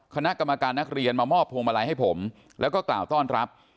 คณะกรรมการนักเรียนมามอบพวงมาลัยให้ผมแล้วก็กล่าวต้อนรับ